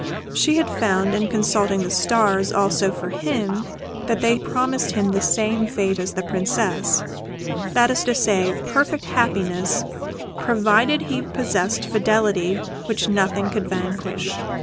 She had found, in consulting the stars also for him, that they promised him the same fate as the Princess that is to say, perfect happiness, provided he possessed fidelity which nothing could vanquish.